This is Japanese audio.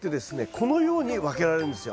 このように分けられるんですよ。